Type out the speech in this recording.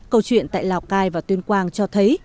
câu chuyện tại lào cai và tuyên quang cho thấy